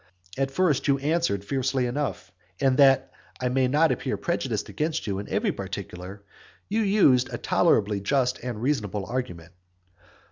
At first you answered fiercely enough, and that I may not appear prejudiced against you in every particular, you used a tolerably just and reasonable argument.